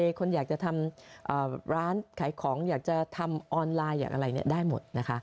คนอยากจะทำร้านขายของอยากจะทำออนไลน์อยากอะไรได้หมดนะคะ